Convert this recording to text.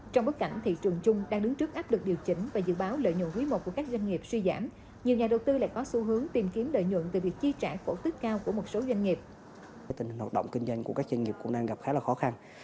trong bối cảnh thị trường chung đang đứng trước áp lực điều chỉnh và dự báo lợi nhuận quý i của các doanh nghiệp suy giảm